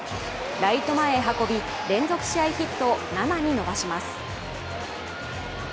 ライト前へ運び、連続試合ヒットを７に伸ばします。